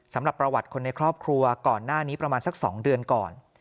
สำหรับประวัติคนในครอบครัวก่อนหน้านี้ประมาณสัก๒เดือนก่อน